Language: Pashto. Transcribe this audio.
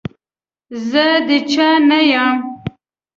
زه د چا نه يم.